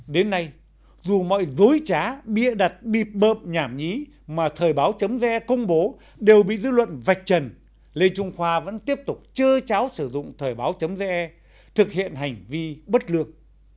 đến nay dù mọi dối trá bịa đặt bịp bợm nhảm nhí mà thời báo ge công bố đều bị dư luận vạch trần lê trung khoa vẫn tiếp tục chơ cháo sử dụng thời báo ge thực hiện hành vi bất lược